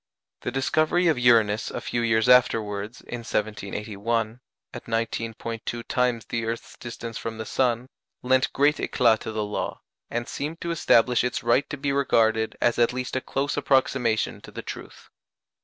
The discovery of Uranus a few years afterwards, in 1781, at 19·2 times the earth's distance from the sun, lent great éclât to the law, and seemed to establish its right to be regarded as at least a close approximation to the truth.